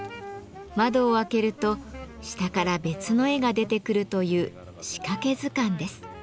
窓を開けると下から別の絵が出てくるという「仕掛け図鑑」です。